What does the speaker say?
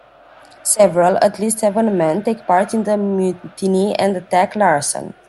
Several, at least seven men, take part in the mutiny and attack Larsen.